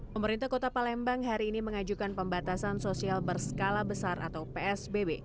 pemerintah kota palembang hari ini mengajukan pembatasan sosial berskala besar atau psbb